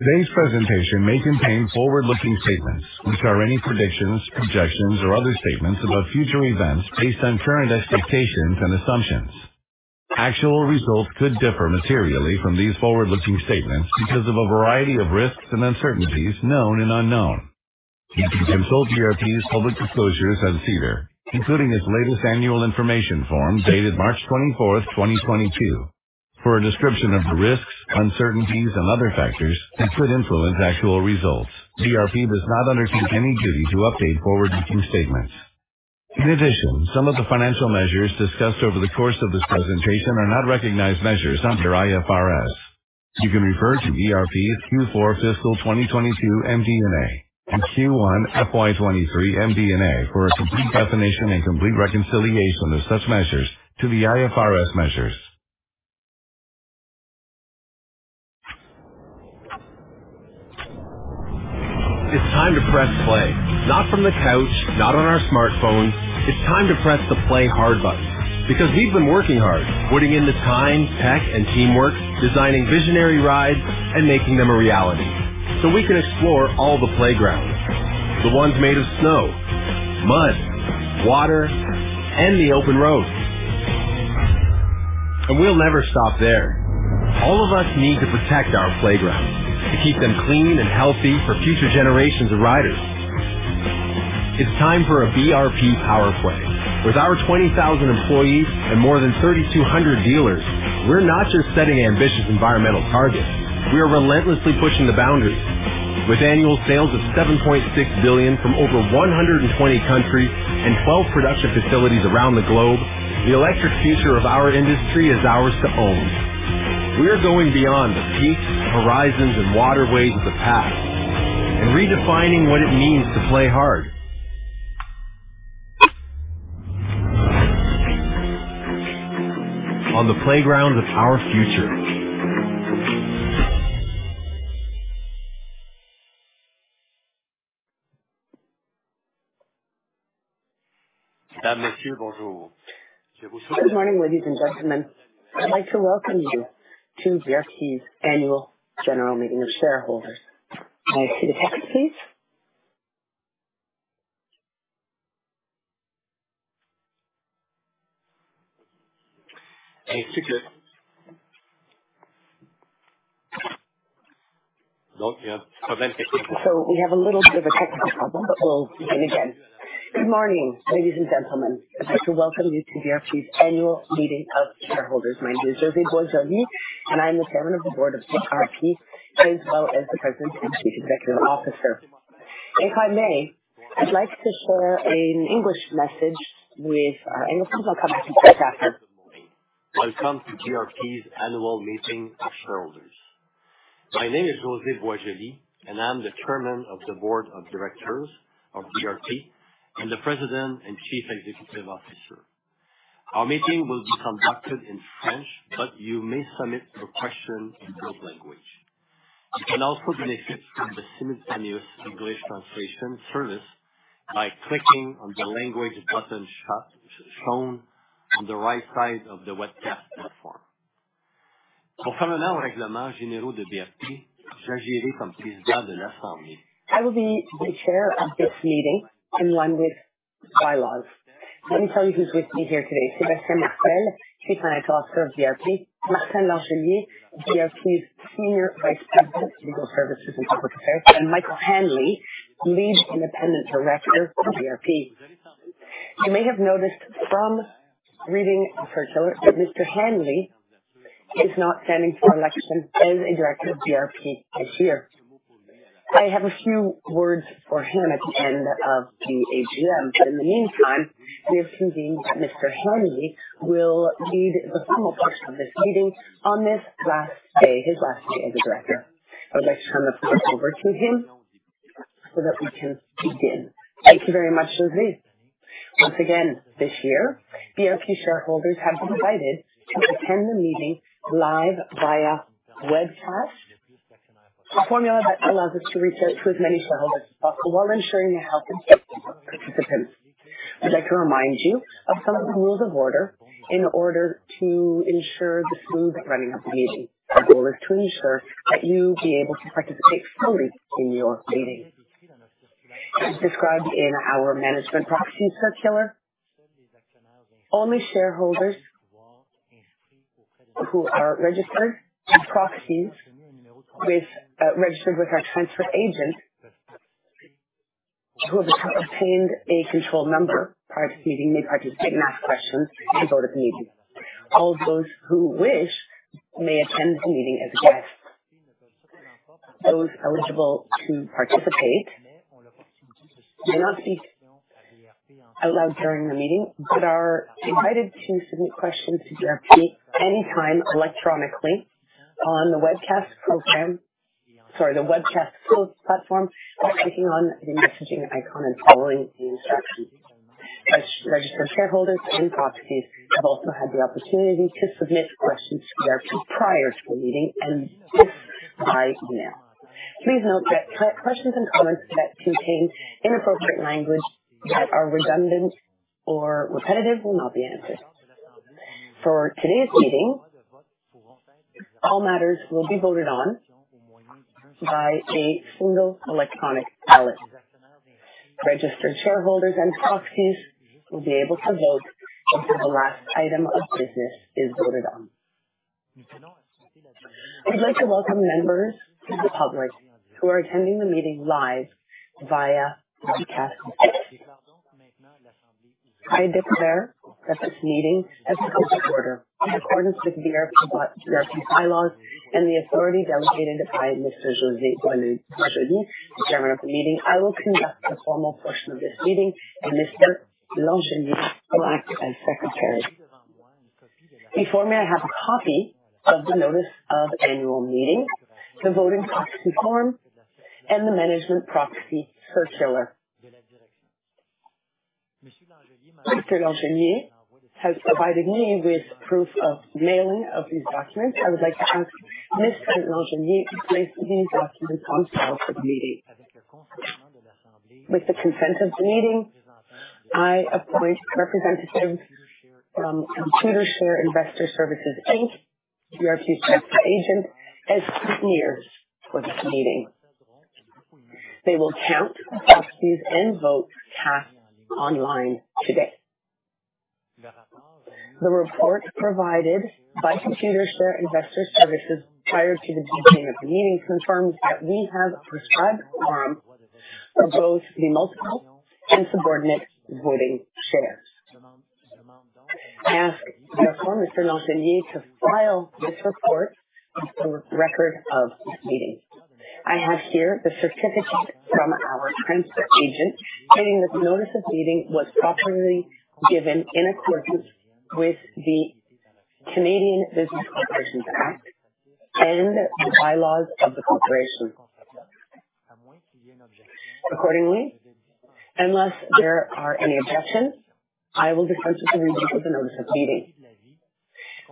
Today's presentation may contain forward-looking statements, which are any predictions, projections, or other statements about future events based on current expectations and assumptions. Actual results could differ materially from these forward-looking statements because of a variety of risks and uncertainties, known and unknown. You can consult BRP's public disclosures at SEDAR, including its latest annual information form dated March 24, 2022. For a description of the risks, uncertainties and other factors that could influence actual results, BRP does not undertake any duty to update forward-looking statements. In addition, some of the financial measures discussed over the course of this presentation are not recognized measures under IFRS. You can refer to BRP's Q4 fiscal 2022 MD&A and Q1 FY 2023 MD&A for a complete definition and complete reconciliation of such measures to the IFRS measures. It's time to press play, not from the couch, not on our smartphones. It's time to press the play hard button because we've been working hard, putting in the time, tech, and teamwork, designing visionary rides and making them a reality so we can explore all the playgrounds. The ones made of snow, mud, water, and the open road. We'll never stop there. All of us need to protect our playgrounds, to keep them clean and healthy for future generations of riders. It's time for a BRP power play. With our 20,000 employees and more than 3,200 dealers, we're not just setting ambitious environmental targets. We are relentlessly pushing the boundaries. With annual sales of 7.6 billion from over 120 countries and 12 production facilities around the globe, the electric future of our industry is ours to own. We are going beyond the peaks, horizons and waterways of the past and redefining what it means to play hard on the playgrounds of our future. Good morning, ladies and gentlemen. I'd like to welcome you to BRP's annual general meeting of shareholders. Can I see the tech, please? We have a little bit of a technical problem, but we'll begin again. Good morning, ladies and gentlemen. I'd like to welcome you to BRP's annual meeting of shareholders. My name is José Boisjoli, and I'm the Chairman of the Board of BRP as well as the President and Chief Executive Officer. If I may, I'd like to share an English message, and as soon as I come back to French after. Welcome to BRP's annual meeting of shareholders. My name is José Boisjoli, and I'm the Chairman of the Board of Directors of BRP and the President and Chief Executive Officer. Our meeting will be conducted in French, but you may submit your questions in both languages. You can also benefit from the simultaneous English translation service by clicking on the language button shown on the right side of the webcast platform. I will be the chair of this meeting in line with bylaws. Let me tell you who's with me here today. Sébastien Martel, Chief Financial Officer of BRP, Martin Langelier, BRP's Senior Vice President, Legal Services and Corporate Affairs, and Michael Hanley, Lead Independent Director of BRP. You may have noticed from reading the circular that Mr. Hanley is not standing for election as a director of BRP this year. I have a few words for him at the end of the AGM. In the meantime, we have convened that Mr. Hanley will lead the formal portion of this meeting on this last day, his last day as a director. I would like to turn the floor over to him so that we can begin. Thank you very much, José. Once again, this year, BRP shareholders have been invited to attend the meeting live via webcast, a formula that allows us to reach out to as many shareholders as possible while ensuring the health and safety of participants. I'd like to remind you of some of the rules of order in order to ensure the smooth running of the meeting. Our goal is to ensure that you be able to participate fully in your meeting. As described in our management proxy circular, only shareholders who are registered as proxies with our transfer agent who have obtained a control number prior to the meeting may participate and ask questions and vote at the meeting. All those who wish may attend the meeting as a guest. Those eligible to participate may not speak out loud during the meeting, but are invited to submit questions to BRP anytime electronically on the webcast tools platform by clicking on the messaging icon and following the instructions. Registered shareholders and proxies have also had the opportunity to submit questions to BRP prior to the meeting and this by email. Please note that questions and comments that contain inappropriate language, that are redundant or repetitive will not be answered. For today's meeting, all matters will be voted on by a single electronic ballot. Registered shareholders and proxies will be able to vote until the last item of business is voted on. I'd like to welcome members of the public who are attending the meeting live via webcast. I declare that this meeting has come to order in accordance with BRP's bylaws and the authority delegated by Mr. José Boisjoli, the chairman of the meeting. I will conduct the formal portion of this meeting, and Mr. Langelier will act as secretary. Before me, I have a copy of the notice of annual meeting, the voting proxy form, and the management proxy circular. Mr. Langelier has provided me with proof of mailing of these documents. I would like to ask Mr. Langelier to place these documents on file for the meeting. With the consent of the meeting, I appoint representatives from Computershare Investor Services Inc, BRP's transfer agent, as scriveners for this meeting. They will count proxies and votes cast online today. The report provided by Computershare Investor Services prior to the beginning of the meeting confirms that we have a prescribed quorum for both the multiple and subordinate voting shares. I ask therefore Mr. Langelier to file this report for record of this meeting. I have here the certificate from our transfer agent stating that the notice of meeting was properly given in accordance with the Canada Business Corporations Act and the bylaws of the corporation. Accordingly, unless there are any objections, I will dispense with the reading of the notice of meeting.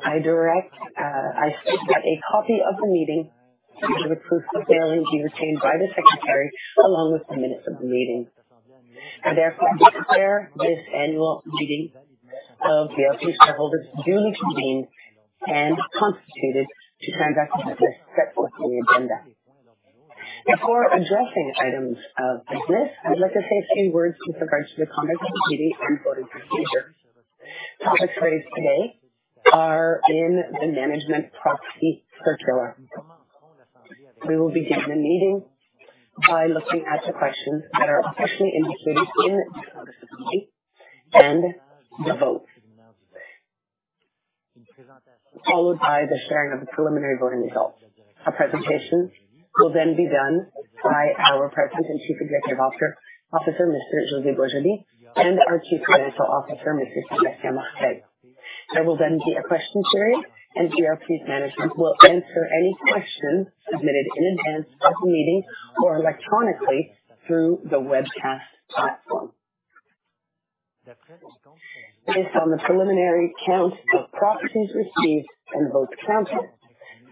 I direct, I state that a copy of the meeting and the proof of mailing be retained by the secretary along with the minutes of the meeting. I therefore declare this annual meeting of BRP shareholders duly convened and constituted to transact the business set forth in the agenda. Before addressing items of business, I'd like to say a few words with regards to the conduct of the meeting and voting procedures. Topics raised today are in the management proxy circular. We will begin the meeting by looking at the questions that are officially indicated in the proxy and the votes. Followed by the sharing of the preliminary voting results. A presentation will then be done by our President and Chief Executive Officer, Mr. José Boisjoli, and our Chief Financial Officer, Mr. Sébastien Martel. There will then be a question period, and BRP's management will answer any questions submitted in advance of the meeting or electronically through the webcast platform. Based on the preliminary count of proxies received and votes counted,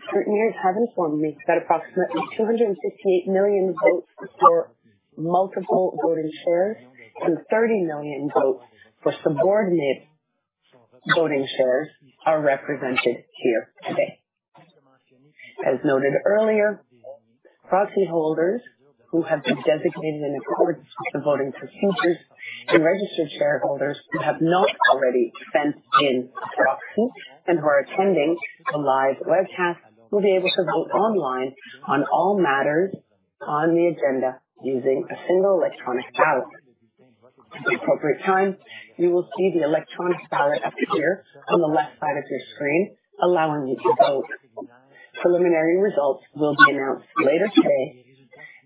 scrutineers have informed me that approximately 258 million votes for multiple voting shares and 30 million votes for subordinate voting shares are represented here today. As noted earlier, proxy holders who have been designated in accordance with the voting procedures and registered shareholders who have not already sent in proxies and who are attending the live webcast will be able to vote online on all matters on the agenda using a single electronic ballot. At the appropriate time, you will see the electronic ballot appear on the left side of your screen, allowing you to vote. Preliminary results will be announced later today,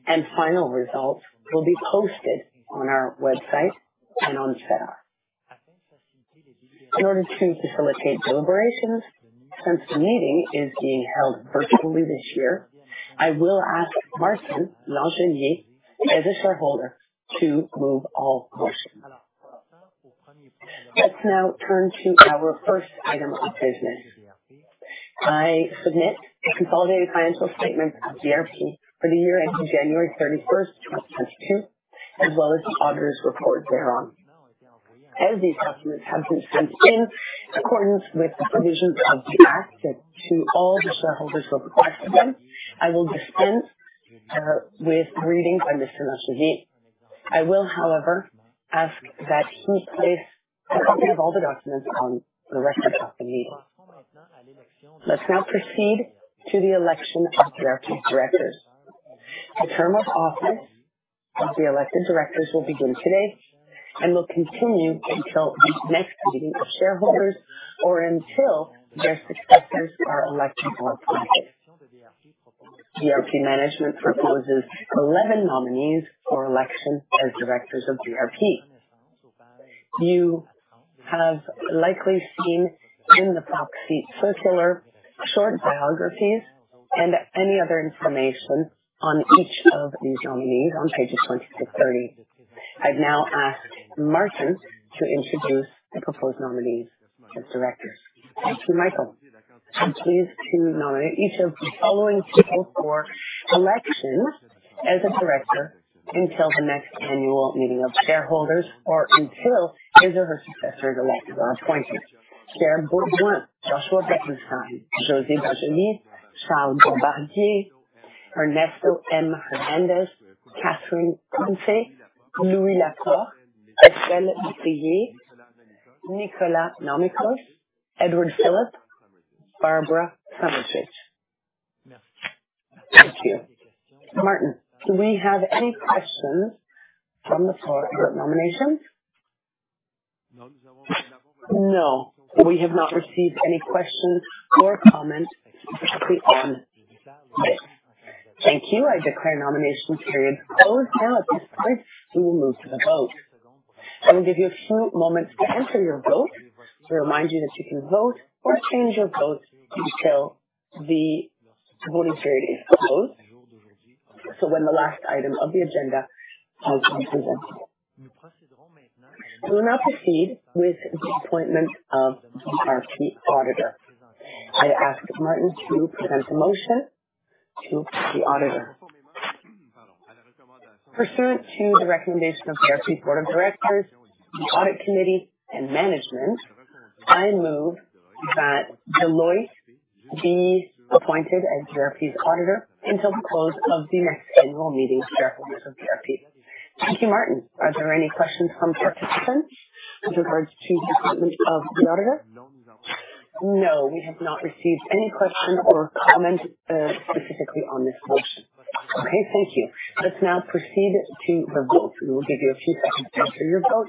and final results will be posted on our website and on SEDAR. In order to facilitate deliberations, since the meeting is being held virtually this year, I will ask Martin Langelier, as a shareholder, to move all motions. Let's now turn to our first item of business. I submit the consolidated financial statements of BRP for the year ending January 31, 2022, as well as the auditor's report thereon. As these documents have been sent in accordance with the provisions of the act to all the shareholders who have requested them, I will dispense with reading by Mr. Langelier. I will, however, ask that he place a copy of all the documents on the record of the meeting. Let's now proceed to the election of BRP's directors. The term of office of the elected directors will begin today and will continue until the next meeting of shareholders or until their successors are elected or appointed. BRP management proposes 11 nominees for election as directors of BRP. You have likely seen in the proxy circular short biographies and any other information on each of these nominees on pages 20-30. I've now asked Martin to introduce the proposed nominees as directors. Thank you, Michael. I'm pleased to nominate each of the following people for election as a director until the next annual meeting of shareholders or until his or her successor is elected or appointed. Serge Beaubien, Joshua Bekenstein, José Boisjoli, Charles Bombardier, Ernesto M. Hernández, Catherine Coulthard, Louis Laporte, Estelle Métayer, Nicholas Nomicos, Edward Philip, Barbara Samardzich. Thank you. Martin, do we have any questions from the floor about nominations? No, we have not received any questions or comments specifically on this. Thank you. I declare the nominations period closed. Now at this point, we will move to the vote. I will give you a few moments to enter your vote. To remind you that you can vote or change your vote until the voting period is closed. When the last item of the agenda has been presented. We will now proceed with the appointment of BRP auditor. I ask Martin to present a motion to the auditor. Pursuant to the recommendation of BRP's board of directors, the audit committee, and management, I move that Deloitte be appointed as BRP's auditor until the close of the next annual meeting of shareholders of BRP. Thank you, Martin. Are there any questions from participants with regards to the appointment of the auditor? No, we have not received any questions or comments, specifically on this motion. Okay, thank you. Let's now proceed to the vote. We will give you a few seconds to enter your vote.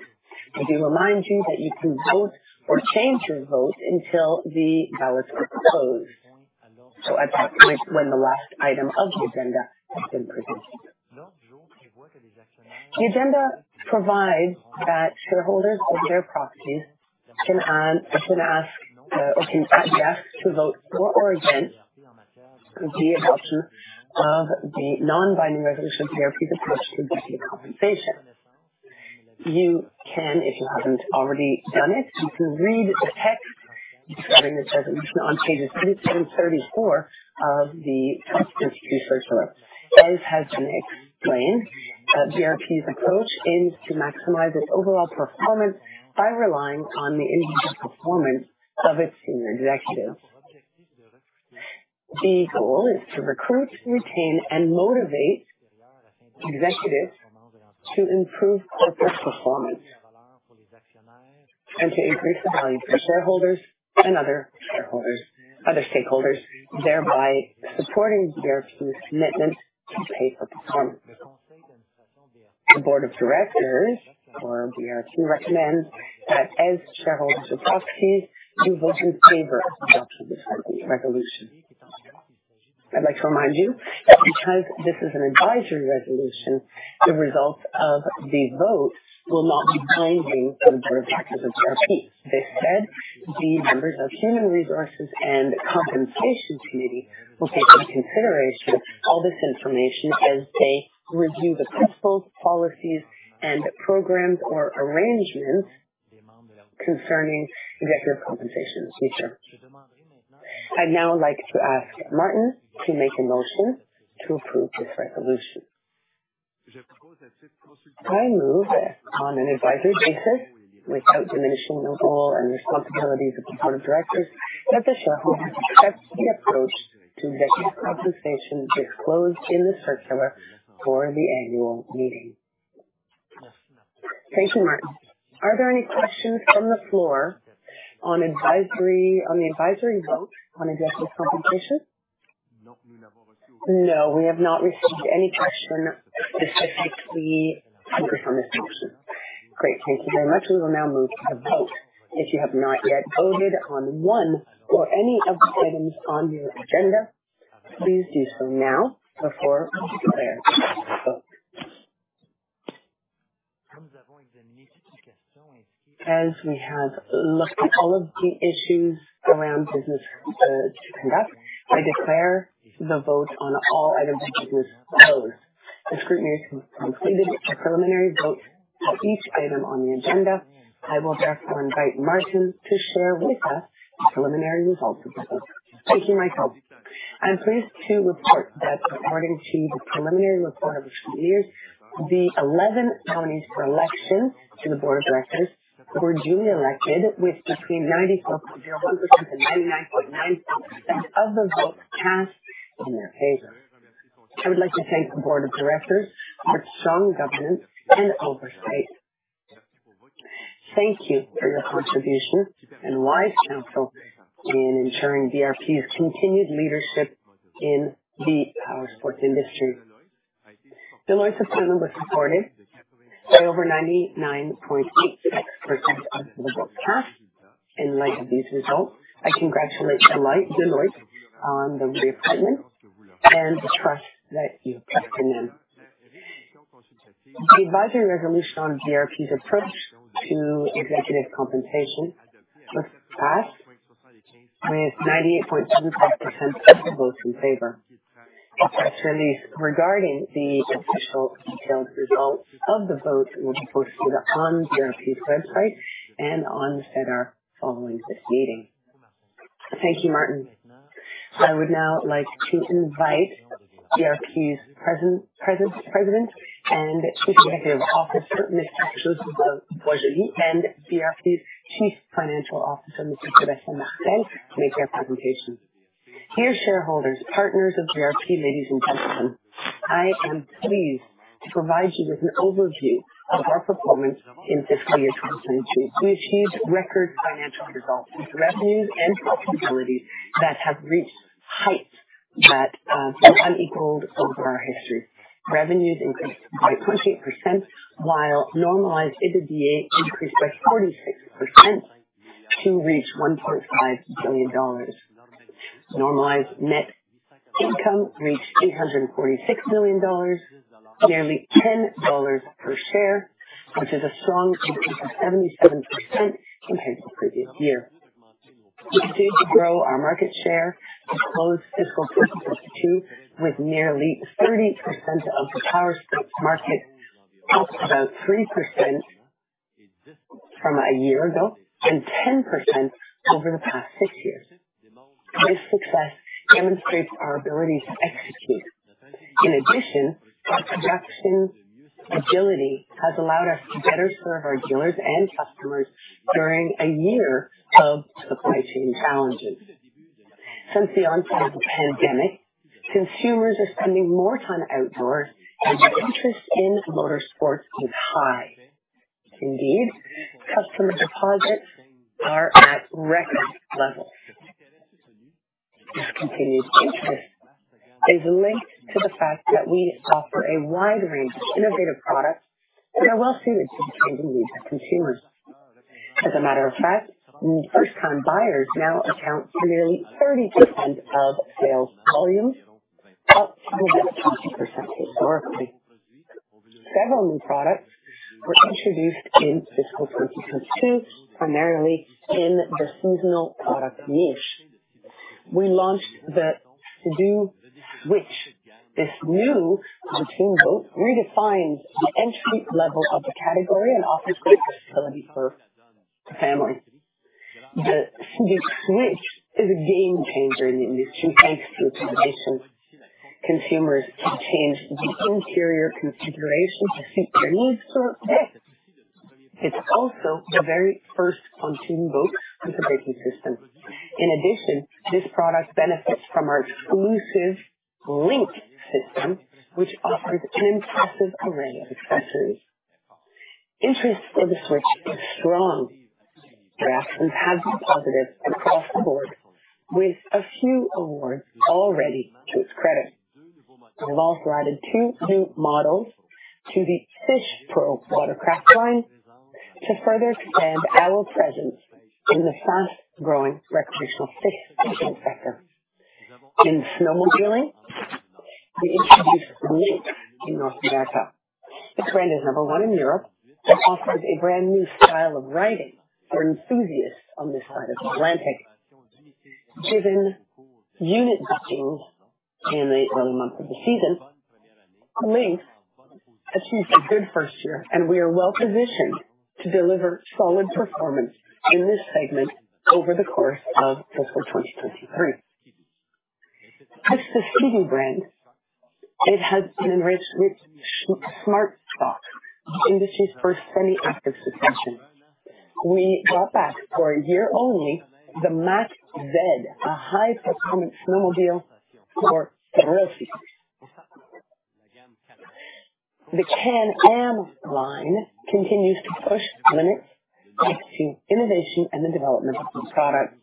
We do remind you that you can vote or change your vote until the ballots are closed. At that point when the last item of the agenda has been presented. The agenda provides that shareholders hold their proxies can ask or can vote for or against the adoption of the non-binding resolution of BRP's approach to executive compensation. You can, if you haven't already done it, you can read the text describing this resolution on pages 23-34 of the trust's circular. As has been explained, BRP's approach is to maximize its overall performance by relying on the individual performance of its senior executives. The goal is to recruit, retain, and motivate executives to improve corporate performance and to increase the value for shareholders and other stakeholders, thereby supporting BRP's commitment to pay for performance. The board of directors for BRP recommends that as shareholders or proxies, you vote in favor of the adoption of this resolution. I'd like to remind you that because this is an advisory resolution, the results of the vote will not be binding on the board of directors of BRP. Instead, the members of Human Resources and Compensation Committee will take into consideration all this information as they review the principles, policies, and programs or arrangements concerning executive compensation in the future. I'd now like to ask Martin to make a motion to approve this resolution. I move on an advisory basis, without diminishing the role and responsibilities of the board of directors, that the shareholders accept the approach to executive compensation disclosed in the circular for the annual meeting. Thank you, Martin. Are there any questions from the floor on the advisory vote on executive compensation? No, we have not received any question specifically focused on this motion. Great. Thank you very much. We will now move to vote. If you have not yet voted on one or any of the items on your agenda, please do so now before I declare the vote. As we have looked at all of the issues around business to conduct, I declare the vote on all items of business closed. The scrutineers have completed a preliminary vote for each item on the agenda. I will therefore invite Martin to share with us the preliminary results of the vote. Thank you, Michael. I'm pleased to report that according to the preliminary report of the scrutineers, the 11 nominees for election to the board of directors were duly elected with between 94.01% and 99.9% of the votes cast in their favor. I would like to thank the board of directors for its strong governance and oversight. Thank you for your contribution and wise counsel in ensuring BRP's continued leadership in the powersports industry. Deloitte's appointment was supported by over 99.86% of the votes cast. In light of these results, I congratulate Deloitte on the reappointment and the trust that you have placed in them. The advisory resolution on BRP's approach to executive compensation was passed with 98.2% in favor. Actually, the official detailed results of the vote will be posted on BRP's website and on the SEDAR following this meeting. Thank you, Martin. I would now like to invite BRP's President and Chief Executive Officer, Mr. José Boisjoli, and BRP's Chief Financial Officer, Mr. Sébastien Martel, to make their presentation. Dear shareholders, partners of BRP, ladies and gentlemen, I am pleased to provide you with an overview of our performance in fiscal year 2022. We achieved record financial results with revenues and profitability that have reached heights that have been unequaled over our history. Revenues increased by 28%, while normalized EBITDA increased by 46% to reach 1.5 billion dollars. Normalized net income reached 846 million dollars, nearly 10 dollars per share, which is a strong increase of 77% compared to the previous year. We continue to grow our market share to close fiscal 2022 with nearly 30% of the powersports market, up about 3% from a year ago and 10% over the past six years. This success demonstrates our ability to execute. In addition, our production agility has allowed us to better serve our dealers and customers during a year of supply chain challenges. Since the onset of the pandemic, consumers are spending more time outdoors, and interest in motor sports is high. Indeed, customer deposits are at record levels. This continued interest is linked to the fact that we offer a wide range of innovative products that are well suited to the changing needs of consumers. As a matter of fact, first-time buyers now account for nearly 30% of sales volumes, up from 20% historically. Several new products were introduced in fiscal 2022, primarily in the seasonal product niche. We launched the Sea-Doo Switch. This new pontoon boat redefines the entry level of the category and offers great flexibility for family. The Sea-Doo Switch is a game changer in the industry thanks to its innovation. Consumers can change the interior configuration to suit their needs for the day. It's also the very first pontoon boat with a braking system. In addition, this product benefits from our exclusive LinQ system, which offers an impressive array of accessories. Interest for the Switch is strong. Reactions have been positive across the board with a few awards already to its credit. We've also added two new models to the FishPro watercraft line to further expand our presence in the fast-growing recreational fishing sector. In snowmobiling, we introduced Lynx in North America. The trend is number one in Europe. It offers a brand new style of riding for enthusiasts on this side of the Atlantic. Given unit bookings in the early months of the season, Lynx achieved a good first year, and we are well positioned to deliver solid performance in this segment over the course of fiscal 2023. As for Sea-Doo brands, it has been enriched with Smart-Shox, industry's first semi-active suspension. We brought back for a year only the Mach Z, a high-performance snowmobile for thrill-seekers. The Can-Am line continues to push limits thanks to innovation and the development of new products.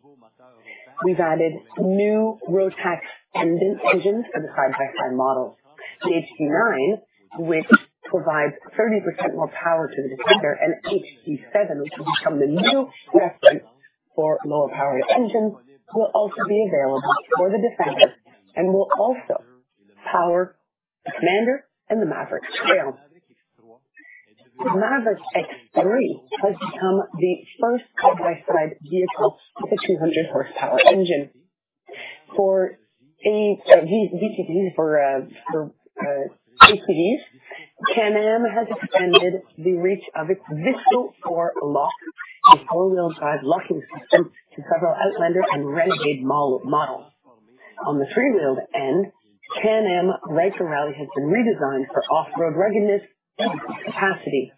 We've added new Rotax engine for the side-by-side models. The HD9, which provides 30% more power to the Defender, and HD7, which will become the new reference for lower powered engines, will also be available for the Defender and will also power the Commander and the Maverick Trail. The Maverick X3 has become the first side-by-side vehicle with a 200-horsepower engine. For ATVs, Can-Am has expanded the reach of its Visco-Lok with four-wheel drive locking system to several Outlander and Renegade models. On the three-wheel end, Can-Am Ryker Rally has been redesigned for off-road ruggedness and capacity,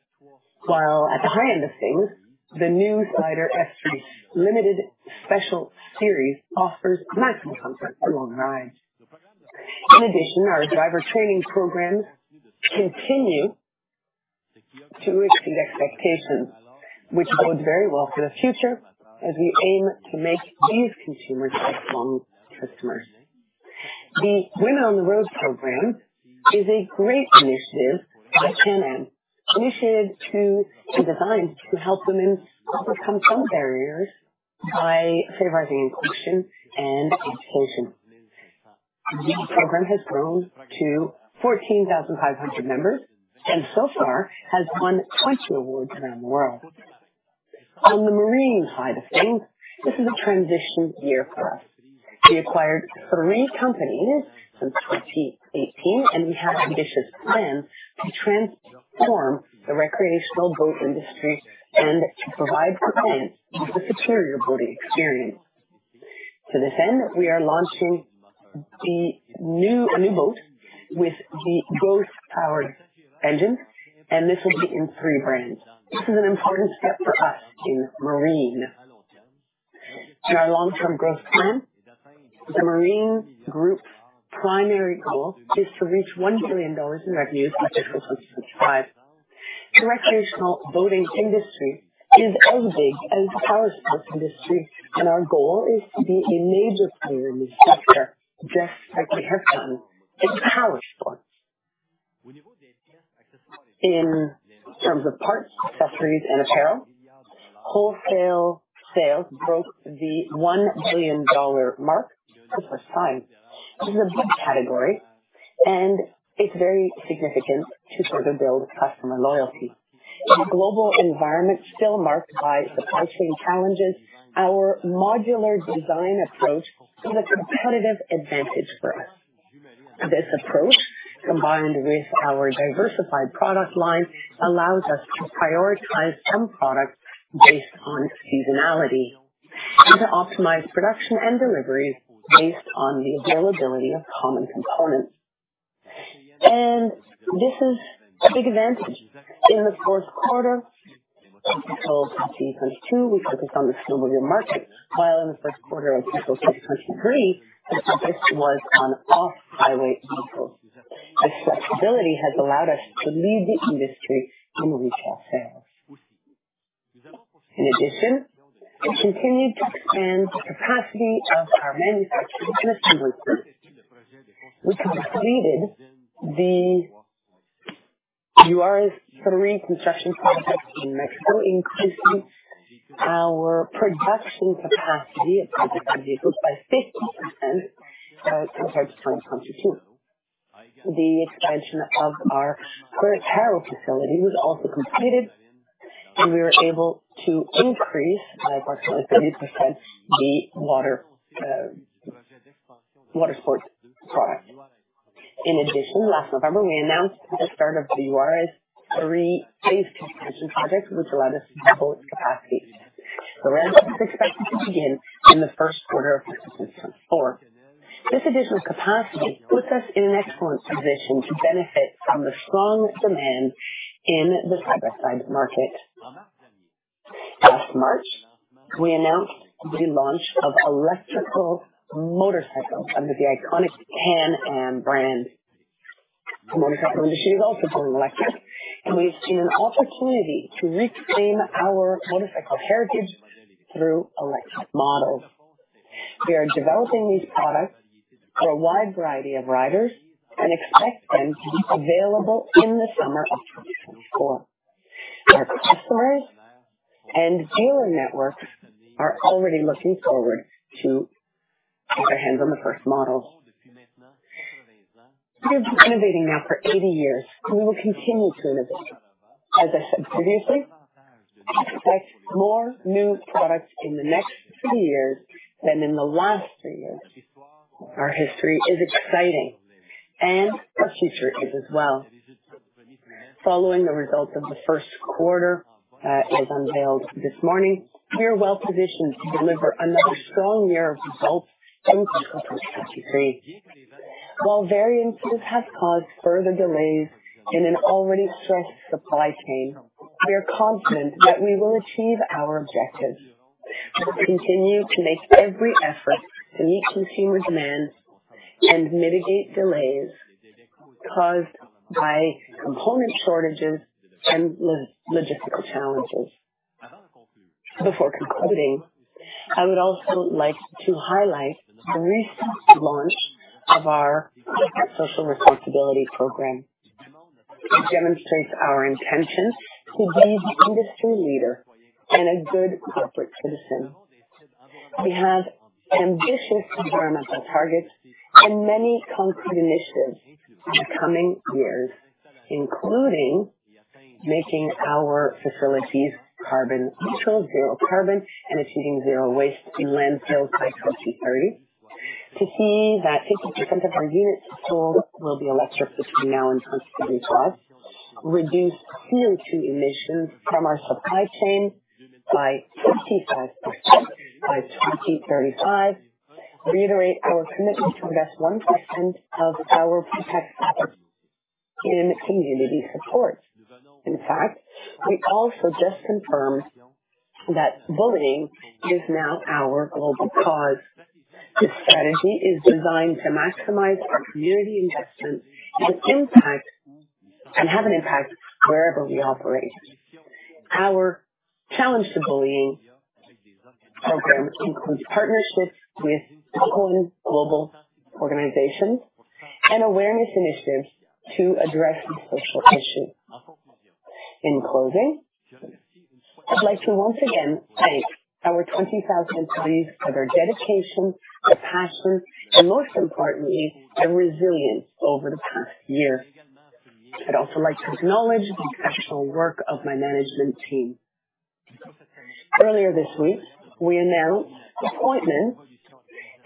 while at the high end of things, the new Spyder F3 Limited special series offers maximum comfort for long rides. In addition, our driver training programs continue to exceed expectations, which bodes very well for the future as we aim to make these consumers lifelong customers. The Women of On-Road program is a great initiative by Can-Am, designed to help women overcome some barriers by providing information and education. The program has grown to 14,500 members and so far has won 20 awards around the world. On the marine side of things, this is a transition year for us. We acquired three companies since 2018, and we have ambitious plans to transform the recreational boat industry and to provide our fans with a superior boating experience. To this end, we are launching a new boat with the Ghost-powered engine, and this will be in three brands. This is an important step for us in marine. In our long-term growth plan, the marine group's primary goal is to reach 1 billion dollars in revenue by 2025. The recreational boating industry is as big as the powersports industry, and our goal is to be a major player in this sector, just like we have been in powersports. In terms of parts, accessories and apparel, wholesale sales broke the CAD 1 billion mark for the first time. This is a big category, and it's very significant to further build customer loyalty. In a global environment still marked by supply chain challenges, our modular design approach is a competitive advantage for us. This approach, combined with our diversified product line, allows us to prioritize some products based on seasonality and to optimize production and deliveries based on the availability of common components. This is a big advantage. In the fourth quarter of 2022, we focused on the snowmobile market, while in the first quarter of 2023, the focus was on off-highway vehicles. This flexibility has allowed us to lead the industry in retail sales. In addition, we continued to expand the capacity of our manufacturing system group. We completed the Juárez three construction projects in Mexico, increasing our production capacity of side-by-side vehicles by 50%, compared to 2022. The expansion of our Querétaro facility was also completed, and we were able to increase by approximately 30% the water sports product. In addition, last November, we announced the start of the Juárez three phase expansion project, which allowed us to double its capacity. The ramp is expected to begin in the first quarter of 2024. This additional capacity puts us in an excellent position to benefit from the strong demand in the side-by-side market. Last March, we announced the launch of electric motorcycles under the iconic Can-Am brand. The motorcycle industry is also going electric, and we've seen an opportunity to reclaim our motorcycle heritage through electric models. We are developing these products for a wide variety of riders and expect them to be available in the summer of 2024. Our customers and dealer networks are already looking forward to get their hands on the first models. We have been innovating now for 80 years, and we will continue to innovate. As I said previously, expect more new products in the next three years than in the last three years. Our history is exciting and our future is as well. Following the results of the first quarter, as unveiled this morning, we are well positioned to deliver another strong year of results in 2023. While variances have caused further delays in an already stressed supply chain, we are confident that we will achieve our objectives. We will continue to make every effort to meet consumer demand and mitigate delays caused by component shortages and logistical challenges. Before concluding, I would also like to highlight the recent launch of our social responsibility program. It demonstrates our intention to be an industry leader and a good corporate citizen. We have ambitious environmental targets and many concrete initiatives in the coming years, including making our facilities carbon neutral, zero carbon and achieving zero waste in landfills by 2030. To see that 50% of our units sold will be electric between now and 2032. Reduce CO2 emissions from our supply chain by 55% by 2035. Reiterates our commitment to invest 1% of our pre-tax profit in community support. In fact, we also just confirmed that bullying is now our global cause. This strategy is designed to maximize our community investment and impact and have an impact wherever we operate. Our Ride Out Intimidation program includes partnerships with important global organizations and awareness initiatives to address this social issue. In closing, I'd like to once again thank our 20,000 employees for their dedication, their passion, and most importantly, their resilience over the past year. I'd also like to acknowledge the professional work of my management team. Earlier this week, we announced appointments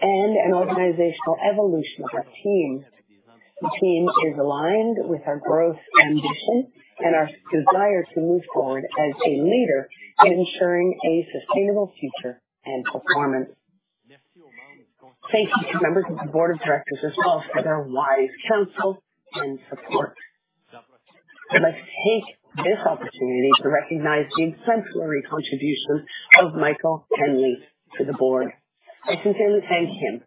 and an organizational evolution of our team. The team is aligned with our growth ambition and our desire to move forward as a leader in ensuring a sustainable future and performance. Thank you to members of the board of directors as well for their wise counsel and support. I'd like to take this opportunity to recognize the exemplary contribution of Michael Hanley to the board. I sincerely thank him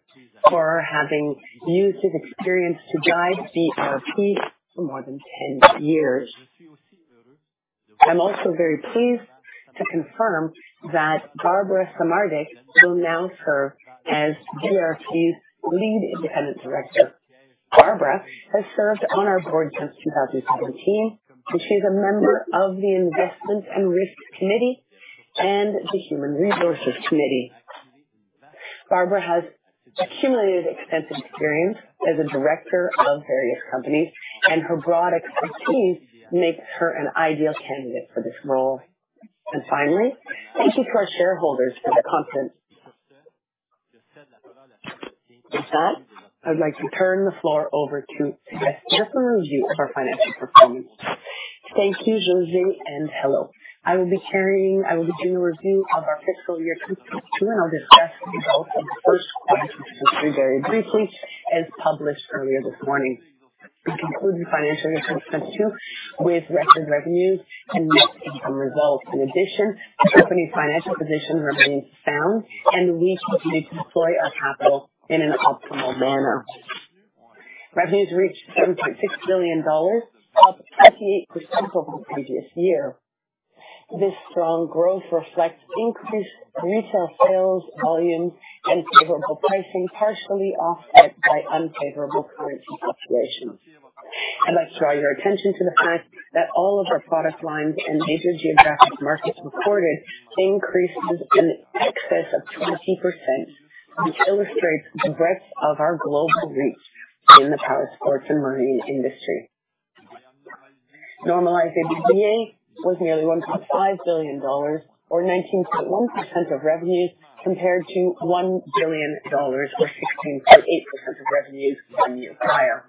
for having used his experience to guide BRP for more than 10 years. I'm also very pleased to confirm that Barbara Samardzich will now serve as BRP's Lead Independent Director. Barbara has served on our board since 2017, and she's a member of the Investment and Risk Committee and the Human Resources Committee. Barbara has accumulated extensive experience as a director of various companies, and her broad expertise makes her an ideal candidate for this role. Finally, thank you to our shareholders for their confidence. With that, I'd like to turn the floor over to Sébastien for a review of our financial performance. Thank you, José, and hello. I will be doing a review of our fiscal year 2022, and I'll discuss the results of the first quarter very briefly, as published earlier this morning. We concluded financial year 2022 with record revenues and net income results. In addition, the company's financial position remains sound, and we continue to deploy our capital in an optimal manner. Revenues reached 7.6 billion dollars, up 28% over the previous year. This strong growth reflects increased retail sales volume and favorable pricing, partially offset by unfavorable currency fluctuations. I'd like to draw your attention to the fact that all of our product lines and major geographic markets reported increases in excess of 20%, which illustrates the breadth of our global reach in the powersports and marine industry. Normalized EBITDA was nearly 1.5 billion dollars, or 19.1% of revenues, compared to 1 billion dollars or 16.8% of revenues one year prior.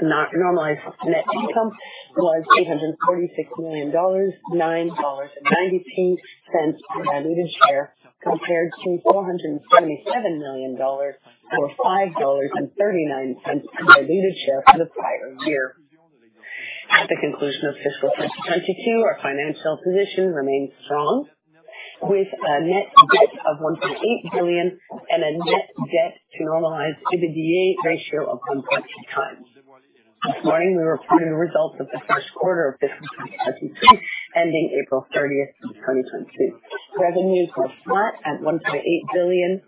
Normalized net income was 836 million dollars, 9.92 dollars per diluted share, compared to 427 million dollars, or 5.39 dollars per diluted share for the prior year. At the conclusion of fiscal 2022, our financial position remains strong, with a net debt of 1.8 billion and a net debt to normalized EBITDA ratio of 1.2x. This morning, we reported the results of the first quarter of fiscal 2023, ending April 30, 2022. Revenues were flat at 1.8 billion,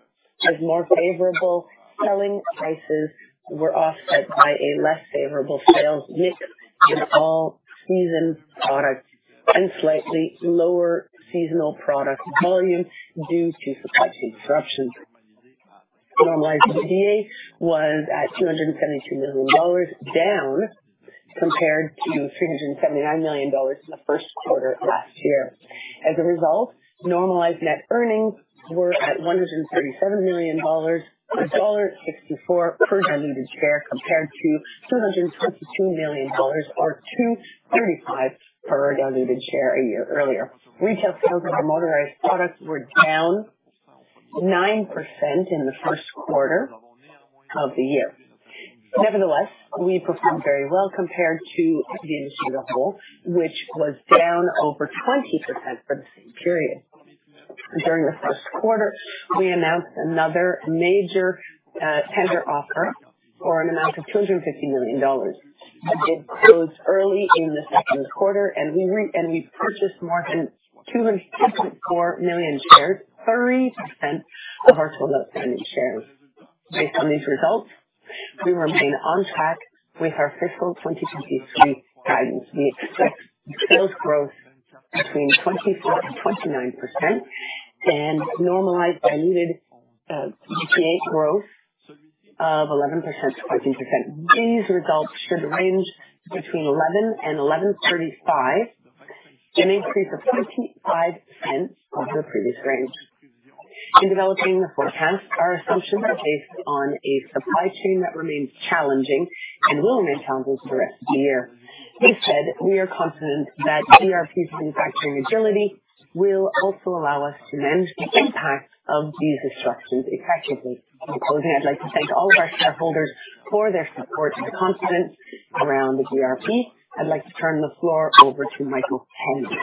as more favorable selling prices were offset by a less favorable sales mix in all season products and slightly lower seasonal product volumes due to supply chain disruptions. Normalized EBITDA was at 272 million dollars, down compared to 379 million dollars in the first quarter of last year. As a result, normalized net earnings were at CAD 137 million, CAD 1.64 per diluted share, compared to CAD 222 million or CAD 2.35 per diluted share a year earlier. Retail sales of our motorized products were down 9% in the first quarter of the year. Nevertheless, we performed very well compared to the industry as a whole, which was down over 20% for the same period. During the first quarter, we announced another major tender offer for an amount of 250 million dollars. The bid closed early in the second quarter and we purchased more than 210.4 million shares, 30% of our total outstanding shares. Based on these results, we remain on track with our fiscal 2023 guidance. We expect sales growth between 24%-29% and normalized diluted EBITDA growth of 11%-20%. These results should range between 11 and 11.35, an increase of 0.55 over the previous range. In developing the forecast, our assumptions are based on a supply chain that remains challenging and will remain challenging for the rest of the year. This said, we are confident that BRP's manufacturing agility will also allow us to manage the impact of these disruptions effectively. In closing, I'd like to thank all of our shareholders for their support and confidence around BRP. I'd like to turn the floor over to Michael Hanley.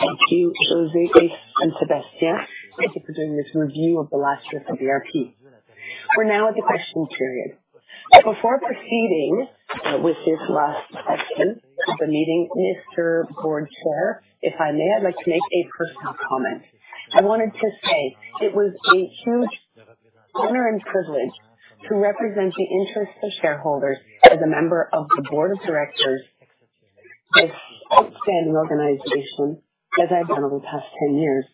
Thank you, José and Sébastien. Thank you for doing this review of the last year for BRP. We're now at the question period. Before proceeding with this last section of the meeting, Mr. Board Chair, if I may, I'd like to make a personal comment. I wanted to say it was a huge honor and privilege to represent the interests of shareholders as a member of the board of directors. This outstanding organization, as I've done over the past 10 years,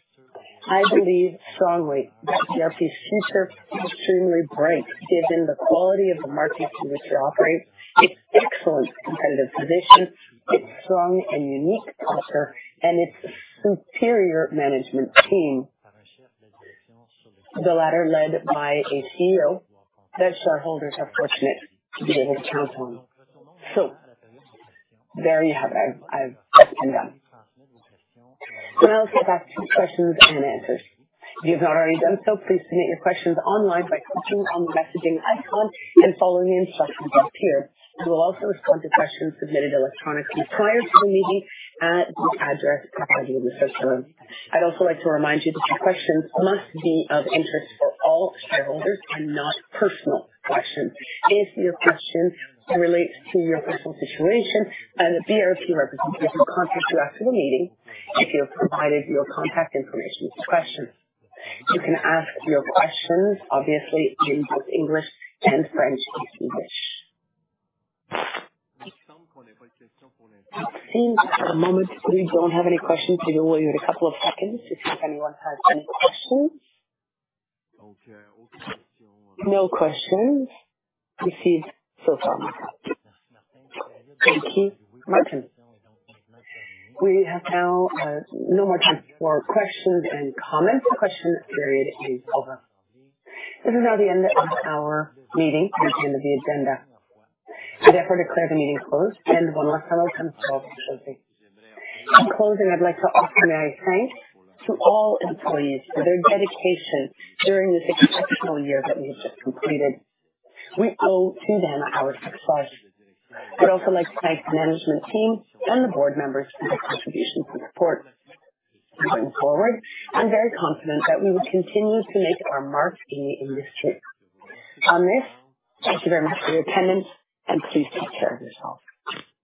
I believe strongly that BRP's future is extremely bright given the quality of the markets in which we operate, its excellent competitive position, its strong and unique culture, and its superior management team. The latter led by a CEO that shareholders are fortunate to be able to count on. There you have it. I've just been done. We now go back to questions and answers. If you've not already done so, please submit your questions online by clicking on the messaging icon and following the instructions that appear. We will also respond to questions submitted electronically prior to the meeting at the address provided in the system. I'd also like to remind you that your questions must be of interest for all shareholders and not personal questions. If your question relates to your personal situation, a BRP representative will contact you after the meeting if you have provided your contact information with the question. You can ask your questions obviously in both English and French, if you wish. At this moment, we don't have any questions. We will wait a couple of seconds to see if anyone has any questions. No questions received so far. Thank you Martin. We have now no more time for questions and comments. The question period is over. This is now the end of our meeting and the end of the agenda. I therefore declare the meeting closed, and one last time welcome to all participants. In closing, I'd like to offer my thanks to all employees for their dedication during this exceptional year that we have just completed. We owe to them our success. I'd also like to thank the management team and the board members for their contribution and support. Going forward, I'm very confident that we will continue to make our mark in the industry. On this, thank you very much for your attendance, and please take care of yourself.